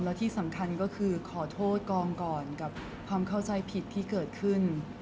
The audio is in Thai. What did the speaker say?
และที่สำคัญก็คือขอโทษกองก่อนกับความเข้าใจผิดที่เกิดขึ้น